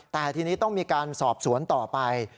แต่ทีนี้ต้องมีการสอบสวนต่อไป